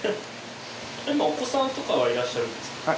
お子さんとかはいらっしゃるんですか？